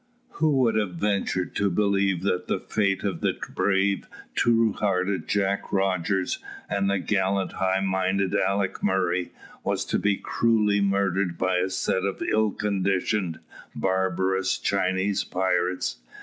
Who would have ventured to believe that the fate of the brave, true hearted Jack Rogers, and the gallant, high minded Alick Murray, was to be cruelly murdered by a set of ill conditioned, barbarous Chinese pirates?